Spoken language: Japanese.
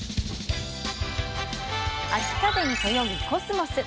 秋風にそよぐコスモス。